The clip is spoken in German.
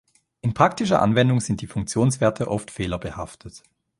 In praktischer Anwendung sind die Funktionswerte oft fehlerbehaftet.